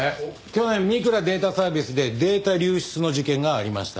去年三倉データサービスでデータ流出の事件がありました。